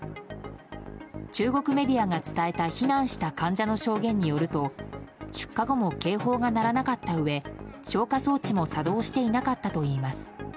中国メディアが伝えた避難した患者の証言によると出火後も警報が鳴らなかったうえ消火装置も作動していなかったといいます。